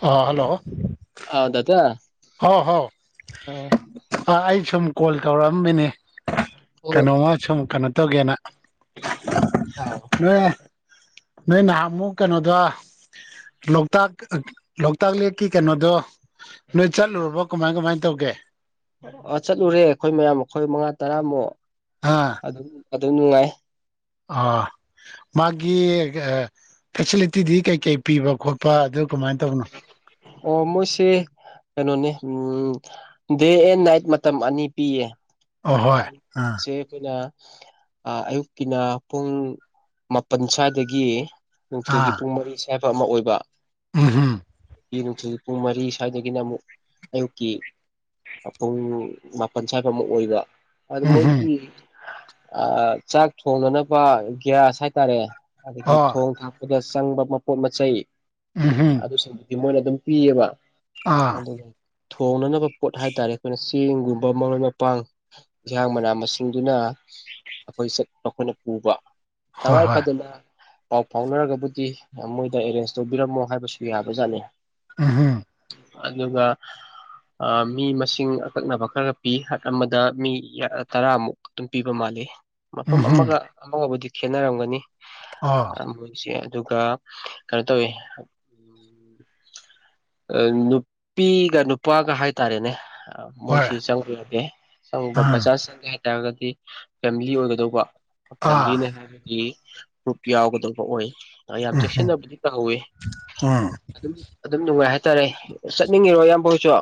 ꯑ ꯍꯜꯂꯣ ꯍꯥꯎꯗꯗ ꯍꯣꯏ ꯍꯣꯏ ꯑꯩ ꯁꯨꯝ ꯀꯣꯜ ꯇꯧꯔꯛꯑꯃꯤꯅꯦ ꯍꯣꯏ ꯀꯩꯅꯣꯃ ꯁꯨꯝ ꯀꯩꯅꯣ ꯇꯧꯒꯦꯅ ꯑꯥꯎ ꯅ ꯅ ꯅ ꯑꯃꯨ ꯀꯩꯅꯣ ꯑ ꯂꯣꯛꯇꯥꯛ ꯂꯣꯛꯇꯥꯛ ꯂꯦꯛꯀꯤ ꯀꯩꯅꯣꯗꯣ ꯅꯣꯏ ꯆꯠꯂꯨꯔꯕꯣ ꯀꯃꯥꯏ ꯀꯃꯥꯏꯅ ꯇꯧꯒꯦ ꯑ ꯆꯠꯂꯨꯔꯦ ꯑꯩꯈꯣꯏ ꯃꯌꯥꯝ ꯑꯩꯈꯣꯏ ꯃꯉꯥ ꯇꯔꯥꯃꯨꯛ ꯑꯗꯨꯝ ꯑꯗꯨ ꯅꯨꯡꯉꯥꯏ ꯑꯥ ꯃꯥꯒꯤ ꯐꯦꯁꯤꯂꯤꯇꯤꯗꯤ ꯀꯩꯀꯩ ꯄꯤꯕ ꯈꯣꯠꯄ ꯑꯗꯨ ꯀꯃꯥꯏꯅ ꯇꯧꯕꯅꯣ ꯑꯣ ꯃꯣꯏ ꯁꯤ ꯀꯩꯅꯣꯅꯤ ꯎꯝ ꯗꯦ ꯑꯦꯟ ꯅꯥꯏꯠ ꯃꯇꯝ ꯑꯅꯤ ꯄꯤꯌꯦ ꯑꯍꯣꯏ ꯑꯥ ꯁꯤ ꯐꯅ ꯑꯌꯨꯛꯀꯤꯅ ꯄꯨꯡ ꯃꯥꯄꯜ ꯁ꯭ꯋꯥꯏꯗꯒꯤ ꯅꯨꯡꯊꯤꯜꯒꯤ ꯄꯨꯡ ꯃꯔꯤꯁꯦ ꯍꯥꯏꯕ ꯑꯃ ꯑꯣꯏꯕ ꯎꯍꯨꯝ ꯑꯩ ꯅꯨꯡꯊꯤꯜꯒꯤ ꯄꯨꯡ ꯃꯔꯤ ꯁ꯭ꯋꯥꯏꯗꯒꯤꯅ ꯑꯃꯨꯛ ꯑꯌꯨꯛꯀꯤ ꯄꯨꯡ ꯃꯥꯄꯜ ꯁ꯭ꯋꯥꯏꯐꯃꯨꯛ ꯑꯣꯏꯕ ꯑꯗꯨ ꯎꯝ ꯍꯨꯝ ꯃꯣꯏꯒꯤ ꯆꯥꯛ ꯊꯣꯡꯅꯅꯕ ꯒ꯭ꯌꯥꯁ ꯍꯥꯏꯇꯥꯔꯦ ꯑꯗꯒꯤ ꯑꯣ ꯊꯣꯡ ꯊꯥꯛꯄꯗ ꯆꯪꯕ ꯃꯄꯣꯠ ꯃꯆꯩ ꯎꯝ ꯍꯨꯝ ꯑꯗꯨꯁꯤꯡꯗꯨ ꯃꯣꯏꯅ ꯑꯗꯨꯝ ꯄꯤꯌꯦꯕ ꯑꯥ ꯑꯗꯨꯒ ꯊꯣꯡꯅꯅꯕ ꯄꯣꯠ ꯍꯥꯏꯇꯥꯔꯦ ꯑꯩꯈꯣꯏꯅ ꯆꯦꯡꯒꯨꯝꯕ ꯃꯔꯣꯏ ꯃꯄꯥꯡ ꯌꯦꯟꯁꯥꯡ ꯃꯅꯥ ꯃꯁꯤꯡꯗꯨꯅ ꯑꯩꯈꯣꯏ ꯆ ꯃꯈꯣꯏꯅ ꯄꯨꯕ ꯍꯣꯏ ꯇꯉꯥꯏ ꯍꯣꯏ ꯐꯗꯨ ꯄꯥꯎ ꯐꯥꯎꯅꯔꯒꯕꯨꯗꯤ ꯃꯣꯏꯗ ꯑꯦꯔꯦꯟꯖ ꯇꯧꯕꯤꯔꯝꯃꯣ ꯍꯥꯏꯕꯁꯨ ꯌꯥꯕꯖꯥꯠꯅꯤ ꯑ ꯑꯗꯨꯒ ꯃꯤ ꯃꯁꯤꯡ ꯑꯀꯛꯅꯕ ꯈꯔ ꯄꯤ ꯗ ꯃꯤ ꯇꯔꯥꯃꯨꯛ ꯑꯗꯨꯝ ꯄꯤꯕ ꯃꯥꯜꯂꯤ ꯃꯐꯝ ꯎꯝ ꯍꯨꯝ ꯑꯃꯒ ꯑꯃꯒꯥꯎꯕꯗꯤ ꯈꯦꯠꯅꯔꯝꯒꯅꯤ ꯑꯣ ꯃꯣꯏꯁꯦ ꯑꯗꯨꯒ ꯀꯩꯅꯣ ꯇꯧꯋꯤ ꯑ ꯅꯨꯄꯤꯒ ꯅꯨꯄꯥꯒ ꯍꯥꯏꯇꯥꯔꯦꯅꯦ ꯍꯣꯏ ꯃꯣꯏꯁꯤ ꯆꯪꯕꯤꯨꯔꯒꯦ ꯆꯪꯕ ꯑꯥ ꯕꯖꯥꯔ ꯆꯪꯒꯦ ꯍꯥꯏꯇꯥꯔꯒꯗꯤ ꯐꯦꯃꯤꯂꯤ ꯑꯣꯏꯒꯗꯧꯕ ꯑꯥ ꯐꯦꯃꯤꯂꯤꯅꯦ ꯍꯥꯏꯕꯒꯤ ꯒ꯭ꯔꯨꯞ ꯌꯥꯎꯒꯗꯧꯕ ꯑꯣꯏ ꯌꯥꯝ ꯎꯝ ꯍꯨꯝ ꯆꯦꯛꯁꯤꯟꯅꯕꯗꯤ ꯀꯥꯎꯋꯤ ꯎꯝ ꯑꯗꯨꯝ ꯑꯗꯨꯝ ꯅꯨꯡꯉꯥꯏ ꯍꯥꯏ ꯍꯥꯏꯇꯥꯔꯦ ꯆꯠꯅꯤꯡꯉꯤꯔꯣ ꯏꯌꯥꯝꯕ ꯍꯧꯁꯨ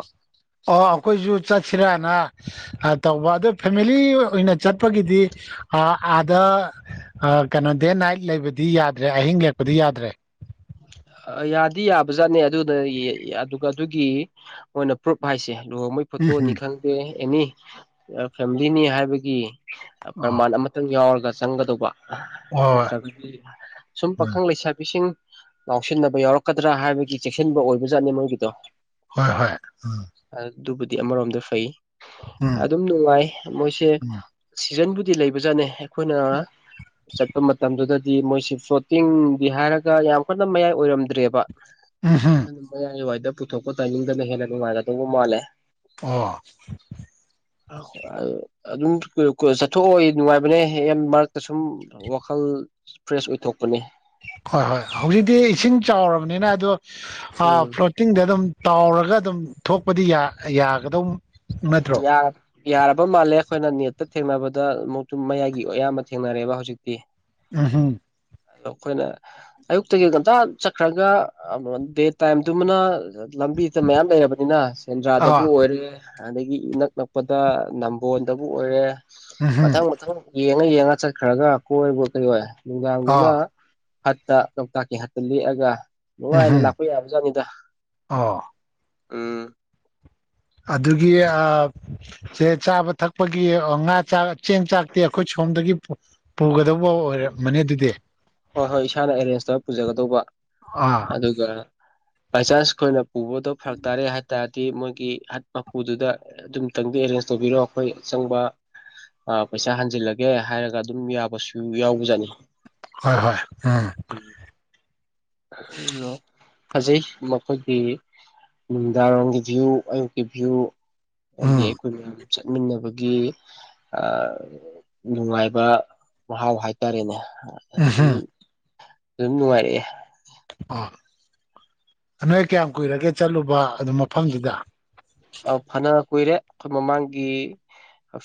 ꯑꯣ ꯑꯩꯈꯣꯏꯁꯨ ꯆꯠꯁꯤꯔꯥꯅ ꯇꯧꯕ ꯑꯗꯨ ꯐꯦꯃꯤꯂꯤ ꯑꯣꯏꯅ ꯆꯠꯄꯒꯤꯗꯤ ꯑꯥꯗ ꯀꯩꯅꯣ ꯗꯦ ꯅꯥꯏꯠ ꯂꯩꯕꯗꯤ ꯌꯥꯗ꯭ꯔꯦ ꯑꯍꯤꯡ ꯌꯦꯛꯄꯗꯤ ꯌꯥꯗ꯭ꯔꯦ [inaudible] ꯌꯥꯗꯤ ꯌꯥꯕꯖꯥꯠꯅꯦ ꯑꯗꯨꯅ ꯑꯗꯨꯒ ꯑꯗꯨꯒꯤ ꯑꯣꯏꯅ ꯄ꯭ꯔꯨꯞ ꯍꯥꯏꯁꯦ ꯂꯨꯍꯣꯡꯕꯩ ꯎꯝ ꯐꯣꯇꯣꯅꯤ ꯍꯝ ꯈꯪꯗꯦ ꯑꯦꯅꯤ ꯐꯦꯃꯤꯂꯤꯅꯤ ꯍꯥꯏꯕꯒꯤ ꯑꯣ ꯄ꯭ꯔꯃꯥꯟ ꯑꯃꯇꯪ ꯌꯥꯎꯔꯒ ꯆꯪꯒꯗꯧꯕ ꯍꯣꯏ ꯅꯠꯇ꯭ꯔꯒꯗꯤ ꯁꯨꯝ ꯎꯝ ꯄꯥꯈꯪ ꯂꯩꯁꯥꯕꯤꯁꯤꯡ ꯉꯥꯎꯁꯤꯟꯅꯕ ꯌꯥꯎꯔꯛꯀꯗ꯭ꯔꯥ ꯍꯥꯏꯕꯒꯤ ꯆꯦꯛꯁꯤꯟꯕ ꯑꯣꯏꯕꯖꯥꯠꯅꯤ ꯃꯣꯏꯒꯤꯗꯣ ꯍꯣꯏ ꯍꯣꯏ ꯎꯝ ꯑꯗꯨꯕꯨꯗꯤ ꯑꯃꯔꯣꯝꯗ ꯐꯩ ꯎꯝ ꯑꯗꯨꯝ ꯅꯨꯡꯉꯥꯏ ꯃꯣꯏꯁꯦ ꯎꯝ ꯁꯤꯖꯟꯕꯨ ꯗꯤ ꯂꯩꯕ ꯆꯠꯅꯦ ꯑꯩꯈꯣꯏꯅ ꯆꯠꯄ ꯃꯇꯝꯗꯨꯗ ꯗꯤ ꯃꯣꯏꯁꯤ ꯐ꯭ꯂꯣꯇꯤꯡꯒꯤ ꯍꯥꯏꯔꯒ ꯌꯥꯝ ꯀꯟꯅ ꯃꯌꯥꯏ ꯑꯣꯏꯔꯝꯗ꯭ꯔꯦꯕ ꯎꯝ ꯍꯝ ꯑꯗꯨ ꯃꯌꯥꯏꯋꯥꯏꯗ ꯄꯨꯊꯣꯛꯄ ꯇꯥꯏꯅꯤꯡꯗꯅ ꯍꯦꯟꯅ ꯅꯨꯡꯉꯥꯏꯒꯗꯧꯕ ꯃꯥꯜꯂꯦ ꯑ ꯑꯣꯏ ꯑꯗꯨꯝ ꯆꯠꯊꯣꯛꯑꯣ ꯑꯩ ꯅꯨꯡꯉꯥꯏꯕꯅꯦ ꯍ ꯃꯔꯛꯇ ꯁꯨꯝ ꯋꯥꯈꯜ ꯐ꯭ꯔꯦꯁ ꯑꯣꯏꯊꯣꯛꯄꯅꯦ ꯍꯣꯏ ꯍꯣꯏ ꯍꯧꯖꯤꯛꯇꯤ ꯏꯁꯤꯡ ꯆꯥꯎꯔꯕꯅꯤꯅ ꯑꯗꯣ ꯎꯝ ꯐ꯭ꯂꯣꯇꯤꯡꯗ ꯑꯗꯨꯝ ꯇꯥꯎꯔꯒ ꯑꯗꯨꯝ ꯊꯣꯛꯄꯗꯤ ꯌꯥꯒꯗꯧ ꯅꯠꯇ꯭ꯔꯣ ꯌꯥ ꯌꯥꯔꯄ ꯃꯥꯜꯂꯦ ꯑꯩꯈꯣꯏꯅ ꯅꯦꯠꯇ ꯊꯦꯡꯅꯕꯗ ꯑꯃꯨꯛꯇ ꯃꯌꯥꯏꯒꯤ ꯑꯌꯥꯝꯕ ꯊꯦꯡꯅꯔꯦꯕ ꯍꯧꯖꯤꯛꯇꯤ ꯎꯝ ꯍꯝ ꯑꯗꯣ ꯑꯩꯈꯣꯏꯅ ꯑꯌꯨꯛꯇꯒꯤ ꯉꯝꯇ ꯆꯠꯈ꯭ꯔꯒ ꯗꯦ ꯇꯥꯏꯝꯗꯨꯃꯅ ꯂꯝꯕꯤꯗ ꯃꯌꯥꯝ ꯂꯩꯔꯕꯅꯤꯅ ꯁꯦꯟꯗ꯭ꯔꯥꯗꯕꯨ ꯑꯥ ꯑꯣꯏꯔꯦ ꯑꯗꯒꯤ ꯏꯅꯛ ꯅꯛꯄꯗ ꯅꯝꯕꯣꯟꯗꯕꯨ ꯑꯣꯏꯔꯦ ꯎꯝ ꯍꯝ ꯃꯊꯪ ꯃꯊꯪ ꯌꯦ ꯌꯦꯡꯉ ꯆꯠꯈ꯭ꯔꯒ ꯀꯣꯏꯕ ꯀꯩ ꯅꯨꯡꯗꯥꯡꯗꯨꯅ ꯑꯥ ꯍꯠꯇ ꯂꯣꯛꯇꯥꯛꯀꯤ ꯍꯠꯇ ꯂꯦꯛꯑꯒ ꯎꯝ ꯅꯨꯡꯉꯥꯏꯅ ꯍꯝ ꯂꯥꯛꯄ ꯌꯥꯕꯖꯥꯠꯅꯤꯗ ꯑꯣ ꯎꯝ‌ ꯑꯗꯨꯒꯤ ꯁꯦ ꯆꯥꯕ ꯊꯛꯄꯒꯤ ꯉꯥ ꯆꯥꯛ ꯆꯦꯡ ꯆꯥꯛꯇꯤ ꯑꯩꯈꯣꯏ ꯁꯣꯝꯗꯒꯤ ꯄꯨꯒꯗꯧꯕ ꯑꯣꯏꯔꯝꯃꯅꯤ ꯑꯗꯨꯗꯤ ꯍꯣꯏ ꯍꯣꯏ ꯏꯁꯥꯅ ꯑꯦꯔꯦꯟꯖ ꯇꯧꯔ ꯄꯨꯖꯒꯗꯧꯕ ꯑꯥ ꯑꯗꯨꯒ ꯕꯥꯏ ꯆꯥꯟꯁ ꯑꯩꯈꯣꯏꯅ ꯄꯨꯕꯗꯣ ꯐꯔꯛ ꯇꯥꯔꯦ ꯍꯥꯏꯇꯥꯔꯗꯤ ꯗꯤ ꯃꯣꯏꯒꯤ ꯍꯠ ꯃꯄꯨꯗꯨꯗ ꯑꯗꯨꯝꯇꯪꯗꯤ ꯑꯦꯔꯦꯟꯖ ꯇꯧꯕꯤꯔꯣ ꯑꯩꯈꯣꯏ ꯑꯆꯪꯕ ꯄꯩꯁꯥ ꯍꯟꯖꯤꯜꯂꯒꯦ ꯍꯥꯏꯔꯒ ꯑꯗꯨꯝ ꯌꯥꯕꯁꯨ ꯌꯥꯎꯕꯖꯥꯠꯅꯤ ꯍꯣꯏ ꯍꯣꯏ ꯎꯝ ꯐꯖꯩ ꯃꯈꯣꯏꯒꯤ ꯅꯨꯃꯤꯗꯥꯡꯔꯣꯝꯒꯤ ꯚꯤꯌꯨ ꯑꯌꯨꯛꯀꯤ ꯚꯤꯌꯨ ꯍꯥꯏ ꯎꯝ ꯑꯩꯈꯣꯏ ꯆꯠꯃꯤꯟꯅꯕꯒꯤ ꯑ ꯅꯨꯡꯉꯥꯏꯕ ꯃꯍꯥꯎ ꯍꯥꯏꯇꯥꯔꯦꯅꯦ ꯑꯗꯨꯝ ꯎꯝꯍꯨꯝ ꯑꯗꯨꯝ ꯅꯨꯡꯉꯥꯏꯔꯛꯑꯦ ꯑꯣ ꯅꯣꯏ ꯀꯌꯥꯝ ꯀꯨꯏꯔꯒꯦ ꯆꯠꯂꯨꯕ ꯑꯗꯨ ꯃꯐꯝꯗꯨꯗ ꯑ ꯐꯅ ꯀꯨꯏꯔꯦ ꯑꯩꯈꯣꯏ ꯃꯃꯥꯡꯒꯤ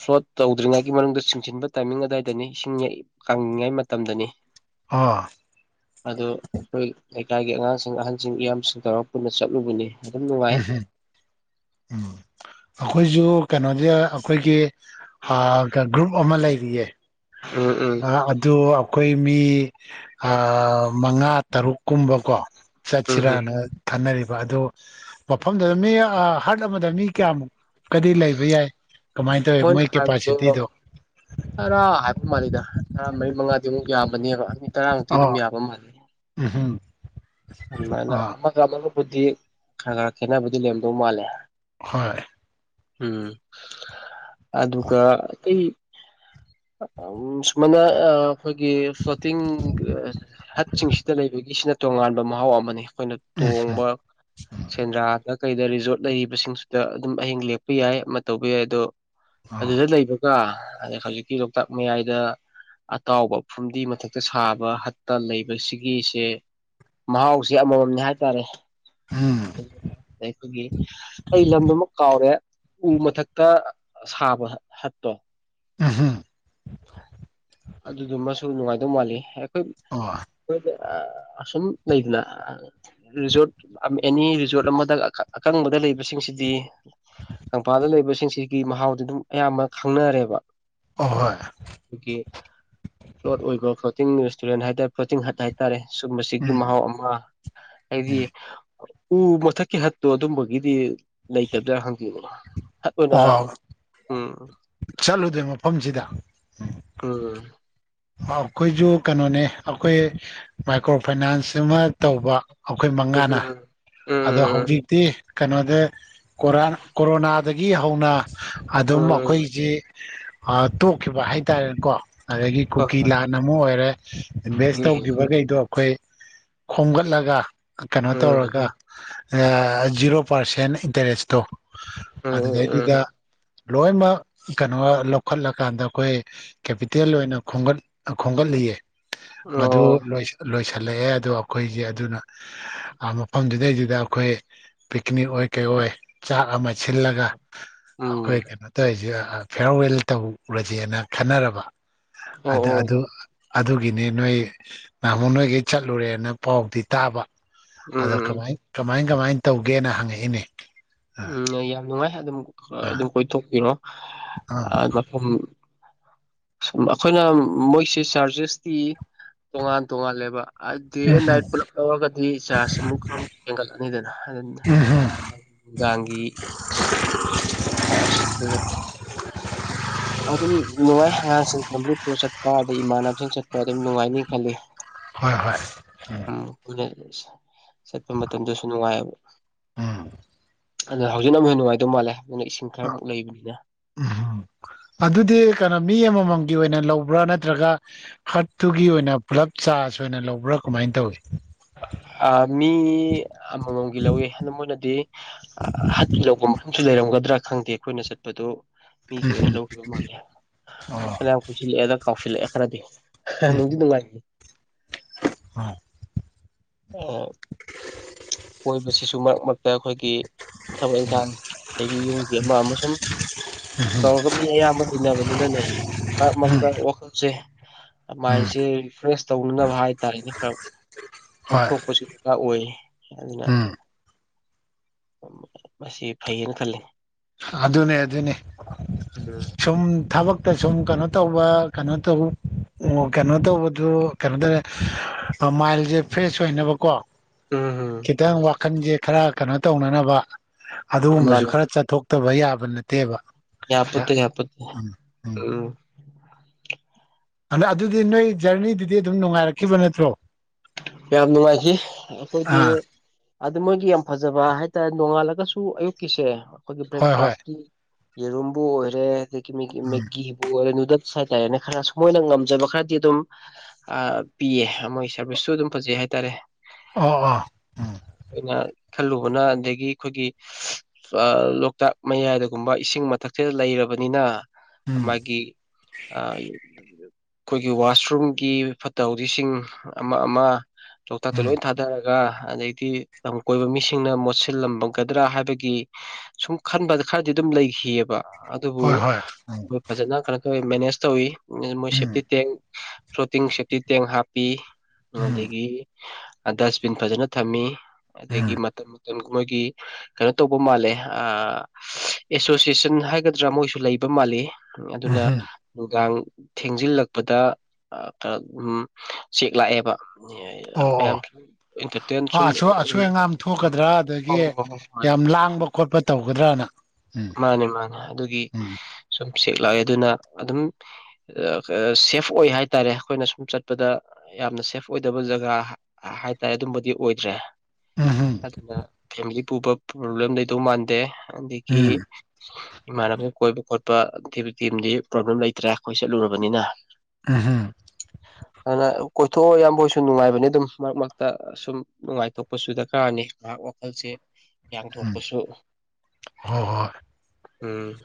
ꯐ꯭ꯂꯣꯠ ꯇꯧꯗ꯭ꯔꯤꯉꯩꯒꯤ ꯃꯅꯨꯡꯗ ꯆꯨꯡꯁꯤꯟꯕ ꯇꯥꯏꯃꯤꯡ ꯑꯗꯨꯋꯥꯏꯗꯅꯤ ꯏꯁꯤꯡ ꯀꯪꯏꯉꯥꯏ ꯃꯇꯝꯗꯅꯤ ꯑꯣ ꯑꯗꯣ ꯑꯩꯈꯣꯏ ꯂꯩꯀꯥꯏꯒꯤ ꯑꯉꯥꯡꯁꯤꯡ ꯑꯍꯟꯁꯤꯡ ꯏꯌꯥꯝꯁꯤꯡ ꯇꯧꯔꯒ ꯄꯨꯟꯅ ꯆꯠꯂꯨꯕꯅꯤ ꯑꯗꯨꯝ ꯅꯨꯡꯉꯥꯏ ꯎꯝꯍꯨꯝ ꯎꯝ ꯑꯩꯈꯣꯏꯁꯨ ꯀꯩꯅꯣꯗꯤ ꯑꯩꯈꯣꯏꯒꯤ ꯑ ꯒ꯭ꯔꯨꯞ ꯑꯃ ꯂꯩ ꯂꯩꯌ‌ꯦ ꯎꯝ ꯎꯝ ꯑꯗꯨ ꯑꯩꯈꯣꯏ ꯃꯤ ꯃꯉꯥ ꯇꯔꯨꯛꯀꯨꯝꯕꯀꯣ ꯎꯝ ꯎꯝ ꯆꯠꯁꯤꯔꯥꯅ ꯈꯟꯅꯔꯤꯕ ꯑꯗꯨ ꯃꯐꯝꯗꯨꯗ ꯃꯤ ꯍꯥꯔꯠ ꯑꯃꯗ ꯃꯤ ꯀꯌꯥꯃꯨꯛꯀꯗꯤ ꯂꯩꯕ ꯌꯥꯏ ꯀꯃꯥꯏꯅ ꯇꯧꯋꯤ ꯃꯣꯏꯅ ꯃꯣꯏ ꯍꯥꯏꯕꯗꯣ ꯀꯦꯄꯥꯁꯤꯇꯤꯗꯣ ꯇꯔꯥ ꯍꯥꯏ ꯃꯥꯜꯂꯤꯗ ꯇꯔꯥꯃꯔꯤ ꯃꯉꯥꯗꯤꯃꯨꯛ ꯌꯥꯕꯅꯦꯕ ꯃꯤ ꯇꯔꯥꯃꯨꯛꯇꯤ ꯑꯗꯨꯝ ꯑꯣ ꯌꯥꯕ ꯃꯥꯜꯂꯦ ꯎꯝꯍꯨꯝ ꯑꯗꯨꯃꯥꯏꯅ ꯑꯥ ꯑꯃꯒ ꯑꯃꯒꯕꯨꯗꯤ ꯈꯔ ꯈꯔ ꯈꯦꯠꯅꯕꯕꯨꯗꯤ ꯂꯩꯔꯝꯗꯧ ꯃꯥꯜꯂꯦ ꯍꯣꯏ ꯎꯝ ꯑꯗꯨꯒ ꯑꯩ ꯃꯅ ꯑ ꯑꯩꯈꯣꯏꯒꯤ ꯐ꯭ꯂꯣꯇꯤꯡ ꯍꯠꯁꯤꯡꯁꯤꯗ ꯂꯩꯕꯒꯤꯁꯤꯅ ꯇꯣꯉꯥꯟꯕ ꯃꯍꯥꯎ ꯑꯃꯅꯤ ꯑꯩꯈꯣꯏꯅ ꯇꯣꯡꯕ ꯁꯦꯟꯗ꯭ꯔꯥꯗ ꯀꯩꯗ ꯔꯤꯖꯣꯔꯠ ꯂꯩꯔꯤꯕꯁꯤꯡꯁꯤꯗ ꯑꯗꯨꯝ ꯑꯍꯤꯡ ꯂꯦꯛꯄ ꯌꯥꯏ ꯑꯃ ꯇꯧꯕ ꯌꯥꯏ ꯑꯗꯣ ꯑꯥ ꯑꯗꯨꯗ ꯂꯩꯕꯒ ꯑꯗ ꯍꯧꯖꯤꯛꯀꯤ ꯂꯣꯛꯇꯥꯛ ꯃꯌꯥꯏꯗ ꯑꯇꯥꯎꯕ ꯐꯨꯝꯗꯤ ꯃꯊꯛꯇ ꯁꯥꯕ ꯍꯠꯇ ꯂꯩꯕꯁꯤꯒꯤꯁꯦ ꯃꯍꯥꯎꯁ ꯑꯃꯥꯃꯝꯅꯦ ꯍꯥꯏꯇꯥꯔꯦ ꯎꯝ ꯑꯩꯈꯣꯏꯒꯤ ꯑꯩ ꯂꯝꯗꯨꯃ ꯀꯥꯎꯔꯦ ꯎ ꯃꯊꯛꯇ ꯁꯥꯕ ꯍꯠꯇꯣ ꯎꯝꯍꯨꯝ ꯑꯗꯨꯗꯨꯃ ꯁ ꯅꯨꯡꯉꯥꯏꯗꯧ ꯃꯥꯜꯂꯤ ꯑꯩꯈꯣꯏ ꯑꯣ ꯑꯩꯈ‌ꯣꯏꯗꯤ ꯑ ꯑꯁꯨꯝ ꯂꯩꯗꯅ ꯔꯤꯖꯣꯔꯠ ꯑꯦꯅꯤ ꯔꯤꯖꯣꯔꯠ ꯑꯃꯗ ꯑꯀꯪꯕꯗ ꯂꯩꯕꯁꯤꯡꯁꯤꯗꯤ ꯀꯪꯄꯥꯜꯗ ꯂꯩꯕꯁꯤꯡꯁꯤꯒꯤ ꯃꯍꯥꯎꯗꯤ ꯑꯗꯨꯝ ꯑꯌꯥꯝꯕ ꯈꯪꯅꯔꯦꯕ ꯑꯍꯣꯏ ꯑꯩꯒꯤ ꯄ꯭ꯂꯣꯠ ꯑꯣꯏꯕ ꯐ꯭ꯂ‌ꯣꯇꯤꯡꯡ ꯔꯦꯁꯇꯨꯔꯦꯟ ꯍꯥꯏꯇꯥꯔꯦ ꯐ‍꯭ꯂ‌ꯣꯇꯤꯡ ꯍꯠ ꯍꯥꯏꯇꯥꯔꯦ ꯁꯨꯝ ꯒꯤ ꯎꯝ ꯃꯍꯥꯎ ꯑꯃ ꯍꯥꯏꯗꯤ ꯎ ꯃꯊꯛꯀꯤ ꯍꯠꯇꯣ ꯑꯗꯨꯝꯕꯒꯤꯗꯤ ꯂꯩꯇꯕꯗꯥ ꯍꯪꯉꯨꯔ‌ꯣ ꯍ ꯍꯣꯏ ꯆꯠꯂꯨꯗ꯭ꯔꯦ ꯃꯐꯝꯁꯤꯗ ꯎꯡ ꯑꯩ ꯑꯩꯈꯣꯏꯁꯨ ꯀꯩꯅꯣꯅꯦ ꯑꯩꯈꯣꯏ ꯃꯥꯏꯀ꯭ꯔꯣ ꯐꯥꯏꯅꯥꯟꯁ ꯑꯃ ꯇꯧꯕ ꯑꯩꯈꯣꯏ ꯎꯝ ꯎꯝ ꯎꯝ ꯃꯉꯥꯅ ꯑꯗꯣ ꯍꯧꯖꯤꯛꯇꯤ ꯀꯩꯅꯣꯗ ꯀꯣꯔꯥ ꯀꯣꯔꯣꯅꯥꯗꯒꯤ ꯍꯧꯅ ꯑꯗꯨꯝ ꯑꯩꯈꯣꯏꯁꯤ ꯑꯩ ꯇꯣꯛꯈꯤꯕ ꯍꯥꯏꯇꯥꯔꯦꯀꯣ ꯀꯨꯀꯤ ꯎꯝ ꯂꯥꯟ ꯑꯃ ꯑꯣꯏꯔꯦ ꯏꯟꯚꯦꯁ ꯎꯝ ꯇꯧꯈꯤꯕꯈꯩꯗꯣ ꯑꯩꯈꯣꯏ ꯈꯣꯝꯒꯠꯂꯒ ꯀꯩꯅꯣ ꯎꯝ ꯇꯧꯔꯒ ꯖꯤꯔꯣ ꯄꯥꯔꯁꯦꯟ ꯏꯟꯇꯔꯦꯁꯇꯣ ꯑꯗꯨꯗꯩꯗꯨꯗ ꯂꯣꯏꯅꯃꯛ ꯀꯩꯅꯣ ꯂꯧꯈꯠꯂꯀꯥꯟꯗ ꯑꯩꯈꯣꯏ ꯀꯦꯄꯤꯇꯦꯜ ꯑꯣꯏꯅ ꯈꯣꯝꯒꯠꯂꯤꯑ ꯃꯗꯨ ꯊꯜꯂꯛꯑꯦ ꯑꯗꯣ ꯑꯩꯈꯣꯏꯁꯦ ꯑꯗꯨꯅ ꯃꯐꯝꯗꯨꯗꯩꯗꯨꯗ ꯑꯩꯈꯣꯏ ꯄꯤꯛꯅꯤꯛ ꯑꯣꯏ ꯀꯩ ꯑꯣꯏ ꯆꯥꯛ ꯑꯃ ꯁꯤꯜꯂꯒ ꯑꯩꯈꯣꯏ ꯎꯝ ꯀꯩꯅꯣ ꯇꯧꯔꯤꯁꯦ ꯐꯤꯌꯥꯔꯋꯦꯜ ꯇꯧꯔꯁꯦꯅ ꯈꯟꯅꯔꯕ ꯑꯣ ꯑꯗ ꯑꯣ ꯑꯗꯨ ꯑꯗꯨꯒꯤꯅꯤ ꯅꯣꯏ ꯅꯍꯣ ꯅꯣꯏꯒꯤ ꯆꯠꯂꯨꯔꯦꯅ ꯄꯥꯎꯗꯤ ꯇꯥꯕ ꯑꯗꯣ ꯎꯝ ꯀꯃꯥꯏ ꯀꯃꯥꯏ ꯀꯃꯥꯏꯅ ꯇꯧꯒꯦꯅ ꯍꯪꯉꯛꯏꯅꯦ ꯑꯥ ꯎꯝ ꯌꯥꯝ ꯅꯨꯡꯉꯥꯏ ꯑꯗꯨꯝ ꯑꯥ ꯑꯗꯨꯝ ꯀꯣꯏꯊꯣꯛꯄꯤꯔꯣ ꯑꯥ ꯃꯐꯝ ꯨꯝ ꯑꯩꯈꯣꯏꯅ ꯃꯣꯏꯁꯦ ꯆꯥꯔꯖꯦꯁꯇꯤ ꯇꯣꯉꯥꯟ ꯇꯣꯉꯜꯂꯦꯕ ꯗꯦ ꯎꯝ ꯑꯦꯟ ꯅꯥꯏꯠ ꯄꯨꯂꯞ ꯂꯧꯔꯒꯗꯤ ꯆꯥꯔꯖ ꯑꯃꯨꯛ ꯈ ꯑꯃꯨꯛ ꯍꯦꯟꯒꯠꯂꯅꯤꯗꯅ ꯎꯝ ꯍꯝ ꯑꯗꯨ ꯅꯨꯡꯗꯥꯡꯒꯤ ꯑ ꯑꯗꯨ [unintelligible] ꯑꯗꯨꯝ ꯅꯨꯡꯉꯥꯏ ꯑꯉꯥꯡꯁꯤꯡ ꯐꯦꯃꯤꯂꯤ ꯄꯨꯨꯔ ꯆꯠꯄ ꯑꯗꯩ ꯏꯃꯥꯟꯅꯕꯁꯤꯡ ꯆꯠꯄ ꯑꯗꯨꯝ ꯅꯨꯡꯉꯥꯏꯅꯤ ꯈꯜꯂꯤ ꯍꯣꯏ ꯍꯣꯏ ꯎꯝ ꯆꯠꯄ ꯃꯇꯝꯗꯁꯨ ꯅꯨꯡꯉꯥꯏꯑꯕ ꯑꯥ ꯑꯗ ꯍꯧꯖꯤꯛꯅ ꯑꯃꯛ ꯍꯟꯅ ꯅꯨꯡꯉꯥꯏꯗꯧ ꯃꯥꯜꯂꯦ ꯑꯗꯨꯅ ꯏꯁꯤꯡ ꯑ ꯈꯔꯃꯨꯛ ꯂꯩꯕꯅꯤꯅ ꯎꯝꯝ ꯑꯗꯨꯗꯤ ꯀꯩꯅꯣ ꯃꯤ ꯑꯃꯃꯝ ꯒꯤ ꯑꯣꯏꯅ ꯂꯧꯕ꯭ꯔꯥ ꯅꯠꯇ꯭ꯔꯒ ꯍꯔꯠꯇꯨꯒꯤ ꯑꯣꯏꯅ ꯄꯨꯂꯞ ꯆꯥꯔꯖ ꯑꯣꯏꯅ ꯂꯧꯕ꯭ꯔꯥ ꯀꯃꯥꯏꯅ ꯇꯧꯏꯤ [unintelligible] ꯃꯤ ꯑꯃꯃꯝꯒꯤ ꯂꯧꯋ ꯑꯗꯨꯗ ꯃꯣꯏꯅꯗꯤ ꯑ ꯍꯟꯀꯤ ꯂꯧꯕ ꯃꯐꯝꯁꯨ ꯂꯩꯔꯝꯒꯗ꯭ꯔꯥ ꯈꯪꯗꯦ ꯑꯩꯈꯣꯏꯅ ꯆꯠꯄꯗꯨꯣ ꯃꯤꯒꯤ ꯑꯣꯏꯅ ꯂꯧꯈꯤꯕ ꯃꯥꯜꯂꯦ ꯑꯣ ꯑꯅ ꯌꯥꯝ ꯀꯨꯏꯁꯤꯜꯂꯛꯑꯦ ꯑꯗ ꯀꯥꯎꯁꯤꯜꯂꯛꯑꯦ ꯈꯔꯗꯤ ꯎꯝ ꯅꯨꯡꯗꯤ ꯅꯨꯡꯉꯥꯏꯅꯤ ꯎꯝ ꯎꯝ ꯀꯣꯏꯕꯁꯤꯁꯨ ꯃꯔꯛ ꯃꯔꯛꯇ ꯑꯩꯈꯣꯏꯒꯤ ꯊꯕꯛ ꯏꯪꯈꯥꯡ ꯑꯗꯒꯤ ꯌꯨꯝꯒꯤ ꯑꯃ ꯑꯃꯁꯨꯡꯨꯝ ꯇꯧꯔꯒ ꯃꯤ ꯑꯌꯥꯝꯕ ꯂꯩꯅꯕꯅꯤꯅꯅꯦ ꯃꯔꯛ ꯎꯝ ꯃꯔꯛꯇ ꯋꯥꯈꯜꯁꯦ ꯎꯝ ꯃꯥꯏꯟꯁꯦ ꯔꯤꯐ꯭ꯔꯦꯁ ꯇꯧꯅꯅꯕ ꯍꯥꯏꯇꯥꯔꯦꯅꯦ ꯈꯔ ꯍꯣꯏ ꯑꯣꯊꯣꯛ ꯄꯁꯤ ꯇ ꯑꯣꯏ ꯑꯗꯨꯅ ꯎꯝ ꯃꯁꯤ ꯐꯩꯌꯦꯅ ꯈꯜꯂꯤ ꯑꯗꯨꯅꯦ ꯑꯗꯨꯅꯦ ꯎꯝ ꯁꯨꯝ ꯊꯕꯛ ꯇ ꯁꯨꯝ ꯀꯩꯅꯣ ꯇꯧꯕ ꯀꯩꯅꯣ ꯇꯧ ꯑꯣ ꯀꯩꯅꯣ ꯇꯧꯕꯗꯨ ꯀꯩꯅꯣ ꯇꯧꯔꯦ ꯃꯥꯏꯟꯁꯦ ꯐ꯭ꯔꯦꯁ ꯑꯣꯏꯅꯕꯀꯣ ꯎꯝ ꯈꯤꯇꯪ ꯋꯥꯈꯜꯁꯦ ꯈꯔ ꯀꯩꯅꯣ ꯇꯧꯅꯅꯕ ꯑꯗꯨꯒꯨꯝꯕꯁꯨ ꯈꯔ ꯆꯠꯊꯣꯛꯇꯕ ꯌꯥꯕ ꯅꯠꯇꯦꯕ ꯌꯥꯄꯠꯇ ꯌꯥꯄꯠꯇ ꯎꯝ ꯑꯗ ꯑꯗꯨꯗꯤ ꯅꯣꯏ ꯖꯔꯅꯤꯗꯨꯗꯤ ꯑꯗꯨꯝ ꯅꯨꯡꯉꯥꯏꯔꯛꯈꯤꯕ ꯅꯠꯇ꯭ꯔꯣ ꯌꯥꯝ ꯅꯨꯡꯉꯥꯏꯈꯤ ꯑꯩꯈꯣꯏꯒꯤ ꯑꯥ ꯑꯗꯨ ꯃꯣꯏꯒꯤ ꯌꯥꯝ ꯐꯖꯕ ꯍꯥꯏꯇꯥꯔꯦ ꯅꯣꯡꯉꯥꯜꯂꯛ ꯑꯗꯨꯁꯨ ꯑꯌꯨꯛꯀꯤꯁꯦ ꯑꯩꯈꯣꯏꯒꯤ ꯍꯣꯏ ꯍꯣꯏ ꯕ꯭ꯔꯦꯛꯐꯥꯁꯀꯤ ꯌꯦꯔꯨꯝꯕꯨ ꯑꯣꯏꯔꯦ ꯃꯤꯒꯤ ꯎꯝ ꯃꯒꯤꯕꯣ ꯍꯥꯏꯇꯥꯔꯦꯅꯦ ꯈꯔ ꯃꯣꯏꯅ ꯉꯝꯖꯕ ꯈꯔꯗꯤ ꯑꯗꯨꯝ ꯄꯤꯑ ꯃꯣꯏꯒꯤ ꯁꯥꯔꯚꯤꯁꯁꯨ ꯑꯗꯨꯝ ꯐꯖꯩ ꯍꯥꯏꯇꯥꯔꯦ ꯑꯣ ꯑ ꯎꯝ ꯑꯩꯈꯣꯏꯅ ꯈꯜꯂꯨꯕꯅ ꯑꯗꯒꯤ ꯑꯩꯈꯣꯏꯒꯤ ꯂꯣꯛꯇꯥꯛ ꯃꯌꯥꯏꯗꯒꯨꯝꯕ ꯏꯁꯤꯡ ꯃꯊꯛꯁꯤꯗ ꯂꯩ ꯔꯕꯅꯤꯅ ꯎꯝ ꯃꯥꯒꯤ ꯑꯩꯈꯣꯏꯒꯤ ꯋꯥꯁꯔꯨꯝꯒꯤ ꯐꯠꯇ ꯍꯥꯎꯗꯤꯁꯤꯡ ꯑꯃ ꯑꯃ ꯂꯣꯀꯇꯥꯛꯇ ꯎꯝ ꯂꯣꯏꯅ ꯊꯥꯗ ꯔ ꯑꯗꯩꯗꯤ ꯂꯝ ꯀꯣꯏꯕ ꯃꯤꯁꯤꯡꯅ ꯃꯣꯠꯁꯤꯜꯂꯝꯒꯗ꯭ꯔꯥ ꯍꯥꯏꯕꯒꯤ ꯁꯨꯝ ꯈꯟꯕꯗ ꯈꯔꯗꯤ ꯑꯗꯨꯝ ꯂꯩꯈꯤꯑꯕ ꯑꯗꯨꯕꯨ ꯍꯣꯏ ꯍꯣꯏ ꯎꯝ ꯃꯣꯏ ꯐꯖꯅ ꯈꯔ ꯑꯩꯈꯣꯏ ꯃꯦꯅꯦꯖ ꯇꯧꯋꯤ ꯃꯣꯏ ꯁꯦꯞꯇꯤ ꯎꯝ ꯇꯦꯡꯀ ꯐ꯭ꯂꯣꯇꯤꯡ ꯁꯦꯞꯇꯤ ꯇꯦꯡ ꯍꯥꯞꯄꯤ꯫ ꯎꯝ ꯑꯗꯒꯤ ꯗꯁꯕꯤꯟ ꯐꯖꯅ ꯊꯝꯃꯤ ꯑꯗꯒꯤ ꯎꯝ ꯃꯇꯝ ꯃꯣꯏꯒꯤ ꯀꯩꯅꯣ ꯇꯧꯕ ꯃꯥꯜꯂꯦ ꯑ ꯑꯦꯁꯣꯁꯤꯌꯦꯁꯟ ꯍꯥꯏꯒꯗ꯭ꯔꯥ ꯃꯣꯏꯁꯨ ꯂꯩꯕ ꯃꯥꯜꯂꯤ ꯑꯗꯨꯅ ꯎꯝ ꯅꯨꯡꯗꯥꯡ ꯇꯨꯝ ꯊꯦꯡꯖꯤꯜꯂꯛꯄꯗ ꯆꯦꯛ ꯂꯥꯛꯑꯦꯕ꯫ ꯑꯣ ꯃꯌꯥꯝ ꯑꯣ ꯑꯟꯇꯔꯇꯦꯟ ꯁꯨꯝ ꯑꯥ ꯑꯁꯣꯏ ꯑꯁꯣꯏ ꯑꯣꯏ ꯑꯉꯥꯝ ꯎꯝ ꯊꯣꯛꯀꯗ꯭ꯔꯥ ꯍꯣ ꯑꯗꯒꯤ ꯍꯣ ꯍꯣ ꯍꯣ ꯍꯣꯏ ꯫ ꯌꯥꯝ ꯂꯥꯡꯕ ꯈꯣꯠꯄ ꯇꯧꯒꯗ꯭ꯔꯥꯅ ꯃꯥꯅꯦ ꯃꯥꯅꯦ ꯑꯗꯨꯒꯤ ꯁꯨꯝ ꯁꯦꯛ ꯂꯥꯛꯑꯦꯗꯅ ꯑꯗꯨꯝ ꯁꯦꯐ ꯑꯣꯏ ꯍꯥꯏꯇꯥꯔꯦ ꯑꯩꯈꯣꯏꯅ ꯁꯨꯝ ꯆꯠꯄꯗ ꯌꯥꯝꯅ ꯁꯦꯐ ꯑꯣꯏꯗꯕ ꯖꯒꯥ ꯍꯥꯏꯇꯥꯔꯦ ꯑꯗꯨꯝꯕꯗꯤ ꯑꯣꯏꯗ꯭ꯔꯦ꯫ ꯎꯝ ꯑꯗꯨꯅ ꯐꯦꯃꯤꯂꯤ ꯄꯨꯕ ꯄ꯭ꯔꯣꯕ꯭ꯂꯦꯝ ꯂꯩꯗꯧ ꯃꯥꯟꯗꯦ꯫ ꯏ ꯎꯝ ꯏꯃꯥꯟꯅꯕ ꯀꯣꯏꯄ ꯈꯣꯠ ꯄ [unintelligible] ꯗꯤ ꯄ꯭ꯔꯣꯕ꯭ꯂꯦꯝ ꯂꯩꯇ꯭ꯔꯦ ꯑꯩꯈꯣꯏ ꯆꯠꯂꯨꯔꯕꯅꯤꯅ꯫ [unintelligible] ꯑꯗꯨꯅ ꯀꯣꯏꯊꯣꯛꯑꯣ ꯏꯌꯥꯝꯕ ꯍꯣꯢꯁꯨ ꯅꯨꯡꯉꯥꯏꯕꯅꯤ ꯑꯗꯨꯝ ꯃꯔꯛ ꯃꯔꯛꯇ ꯑ ꯁꯨꯝ ꯅꯨꯡꯉꯥꯏꯊꯣꯛꯄꯁꯨ ꯗꯔꯀꯥꯔꯅꯤ꯫ ꯉꯍꯥꯛ ꯋꯥꯈꯜꯁꯦ ꯎꯝ ꯌꯥꯡꯊꯣꯛꯄꯁꯨ ꯍꯣꯏ ꯍꯣꯏ ꯎꯝ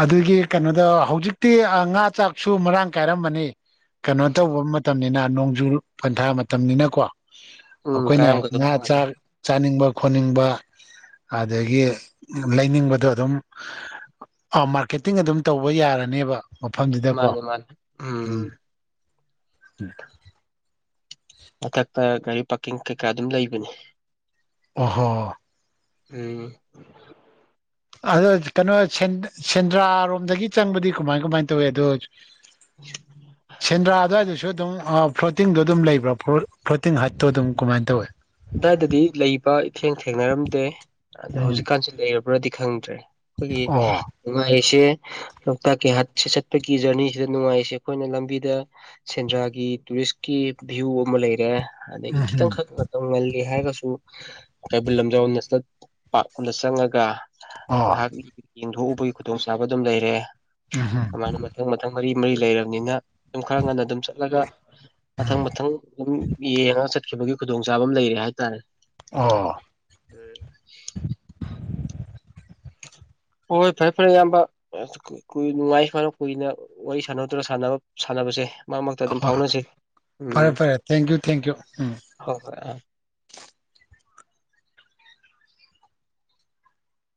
ꯑꯗꯨꯒꯤ ꯀꯩꯅꯣꯗ ꯍꯧꯖꯤꯛꯇꯤ ꯉꯥ ꯆꯥꯛꯁꯨ ꯃꯔꯥꯡ ꯀꯥꯏꯔꯝꯃꯅꯤ꯫ ꯀꯩꯅꯣ ꯇꯧꯕ ꯃꯇꯝꯅꯤꯅ ꯅꯣꯡꯖꯨ ꯄꯟꯊꯥ ꯃꯇꯝꯅꯤꯅꯀꯣ ꯎꯝ ꯑꯩꯈꯣꯏꯅ ꯀꯥꯔꯝꯒꯗꯕ ꯉꯥ ꯃꯥꯜꯂꯦ ꯆꯥꯛ ꯆꯥꯅꯤꯡꯕ ꯈꯣꯠꯅꯤꯡꯕ ꯑꯗꯒꯤ ꯂꯩꯅꯤꯡꯕꯗꯣ ꯑꯗꯨꯝ ꯑꯥ ꯃꯥꯔꯀꯦꯇꯤꯡ ꯑꯗꯨꯝ ꯇꯧꯕ ꯌꯥꯔꯅꯦꯕ ꯃꯐꯝꯗꯨꯗꯀꯣ ꯃꯥꯅꯦ ꯃꯥꯅꯦ ꯎꯝ [inaudible] ꯃꯊꯛꯇ ꯒꯥꯔꯤ ꯄꯥꯔꯀꯤꯡ ꯀꯩꯀꯥ ꯑꯗꯨꯝ ꯂꯩꯕꯅꯦ꯫ ꯑ [inaudible] ꯎꯝ ꯑꯗꯣ ꯀꯩꯅꯣ ꯁꯦꯟꯗ꯭ꯔꯥꯔꯣꯝꯗꯒꯤ ꯆꯪꯕꯗꯤ ꯀꯃꯥꯏ ꯀꯃꯥꯏꯅ ꯇꯧꯏ ꯑꯗꯣ ꯁꯦꯟꯗ꯭ꯔꯥ ꯑꯗꯨꯋꯥꯏꯗꯨꯁꯨ ꯑꯗꯨꯝ ꯑ ꯐ꯭ꯂꯣꯇꯤꯡꯗꯣ ꯑꯗꯨꯝ ꯂꯩꯕ꯭ꯔꯑꯣ ꯐ꯭ꯂꯣꯇꯤꯡ ꯍꯠꯇꯣ ꯑꯗꯨꯝ ꯀꯃꯥꯏ ꯇꯧꯋꯦ꯫ ꯑꯗꯥꯏꯗꯗꯤ ꯂꯩꯕ ꯏꯊꯦꯡ ꯊꯦꯡꯅꯔꯝꯗꯦ ꯑꯗꯣ ꯎꯝ ꯍꯧꯖꯤꯛꯀꯥꯟꯁꯤ ꯂꯩꯔꯕ꯭ꯔꯗꯤ ꯈꯪꯗ꯭ꯔꯦ꯫ ꯑꯩꯈꯣꯏꯒꯤ ꯑꯣ ꯅꯨꯡꯉꯥꯏꯔꯤꯁꯦ ꯂꯣꯛꯇꯥꯛꯀꯤ ꯍꯠꯁꯦ ꯆꯠꯄꯒꯤ ꯖꯔꯅꯤꯁꯦ ꯅꯨꯡꯉꯥꯏꯔꯤꯁꯦ ꯑꯩꯈꯣꯏꯅ ꯂꯝꯕꯤꯗ ꯁꯦꯟꯗ꯭ꯔꯥꯒꯤ ꯇꯨꯔꯤꯁꯀꯤ ꯕꯌ꯭ꯨ ꯑꯃ ꯂꯩꯔꯦ ꯑꯗꯒꯤ ꯈꯤꯇꯪꯈꯛ [unintelligible] ꯂꯤ ꯍꯥꯏꯔꯒꯁꯨ ꯀꯩꯕꯨꯜ ꯂꯝꯖꯥꯎ ꯅꯦꯁꯅꯦꯜ ꯄꯥꯛ [unintelligible] ꯗ ꯆꯪꯉꯒ ꯑꯣ ꯉꯥꯏꯍꯥꯛ ꯌꯦꯡꯊꯣꯛꯎꯕꯒꯤ ꯈꯨꯗꯣꯡꯆꯥꯥꯕ ꯑꯗꯨꯝ ꯂꯩꯔꯦ ꯎꯝꯍꯨꯝ ꯑꯗꯨꯃꯥꯏꯅ ꯃꯊꯪ ꯃꯊꯪ ꯃꯔꯤ ꯃꯔꯤ ꯂꯩꯔꯕꯅꯤꯅ ꯑꯗꯨꯝ ꯈꯔ ꯉꯟꯅ ꯑꯗꯨꯝ ꯆꯠꯂꯒ ꯃꯊꯪ ꯃꯊꯪ ꯑꯗꯨꯝ ꯌꯦꯡꯉꯒ ꯆꯠꯈꯤꯕꯒꯤ ꯈꯨ ꯗꯣꯡꯆꯥꯥꯕꯃ ꯂꯩꯔꯦ ꯍꯥꯏꯇꯥꯔꯦ꯫ ꯑꯣ [unintelligible] [unintelligible] ꯍꯣꯍꯣꯏ ꯐꯔꯦ ꯐꯔꯦ ꯏꯌꯥꯝꯕ [unintelligible] ꯅꯨꯡꯉꯥꯏ ꯁꯨꯃꯥꯏ ꯀꯨꯏꯅ ꯋꯥꯔꯤ ꯁꯥꯟꯅꯗꯅ ꯁꯥꯟꯅꯕ ꯁꯥꯟꯅꯕꯁꯦ꯫ ꯃꯔꯛ ꯃꯔꯛꯇ ꯑꯗꯨꯝ ꯑꯍꯣꯏ ꯐꯥꯎꯅꯁꯦ ꯐꯔꯦ ꯎꯝ ꯐꯔꯦ ꯊꯦꯡꯀ꯭ꯌꯨ ꯊꯦꯡꯀ꯭ꯌꯨ ꯎꯝ ꯍꯣꯏ ꯍꯣꯏ ꯑꯥ [unintelligible]